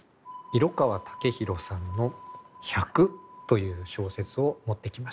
色川武大さんの「百」という小説を持ってきました。